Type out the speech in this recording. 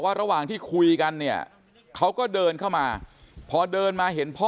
ระหว่างที่คุยกันเนี่ยเขาก็เดินเข้ามาพอเดินมาเห็นพ่อ